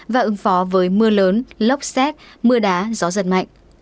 và ứng phó với mưa lớn lốc xét mưa đá gió giật mạnh